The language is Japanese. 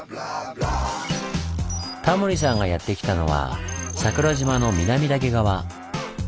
タモリさんがやって来たのは桜島の南岳側。